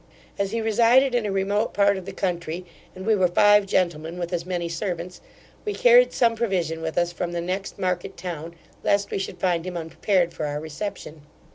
As he resided in a remote part of the country, and we were five gentlemen with as many servants, we carried some provision with us from the next market town, lest we should find him unprepared for our reception.